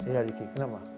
ya adiknya kenapa